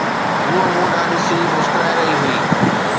هوءَ مون ڏانهن ڏسي مسڪرائي رهي هئي